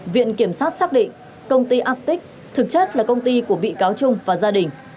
viện kiểm sát xác định công ty atic thực chất là công ty của bị cáo trung và gia đình